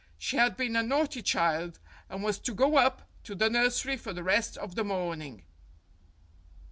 She had been a naughty child, and was to go up to the nursery for the rest of the morning.